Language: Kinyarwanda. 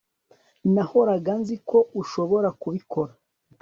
Nahoraga nzi ko ushobora kubikora